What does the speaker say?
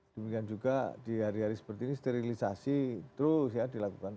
demikian juga di hari hari seperti ini sterilisasi terus ya dilakukan